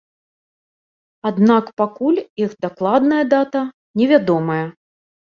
Аднак пакуль іх дакладная дата невядомая.